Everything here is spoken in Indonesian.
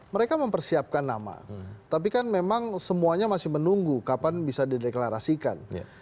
mereka mempersiapkan nama tapi kan memang semuanya masih menunggu kapan bisa dideklarasikan